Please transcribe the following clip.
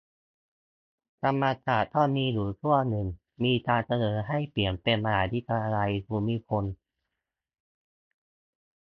ธรรมศาสตร์ก็มีอยู่ช่วงนึง มีการเสนอให้เปลี่ยนเป็น "มหาวิทยาลัยภูมิพล"